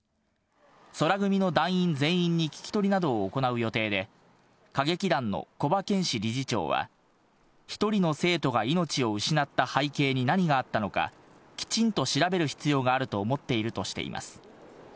宙組の団員全員に聞き取りなどを行う予定で、歌劇団の木場健之理事長は、１人の生徒が命を失った背景に何があったのか、きちんと調べる必要があると思っているとしています。